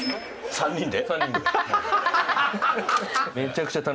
３人で。